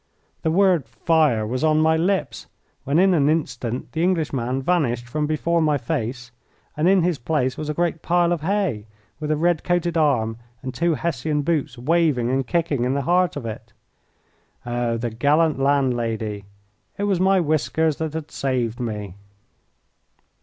The word "Fire!" was on my lips when in an instant the English man vanished from before my face, and in his place was a great pile of hay, with a red coated arm and two Hessian boots waving and kicking in the heart of it. Oh, the gallant landlady! It was my whiskers that had saved me.